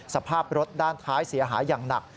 สภาพรถด้านท้ายเสียหายอย่างหนัก